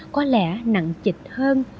có lẽ nặng chịch hơn